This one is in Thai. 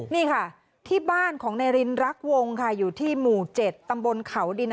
นี่ค่ะที่บ้านของนายรินรักวงค่ะอยู่ที่หมู่๗ตำบลเขาดิน